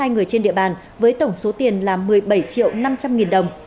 hai người trên địa bàn với tổng số tiền là một mươi bảy triệu năm trăm linh nghìn đồng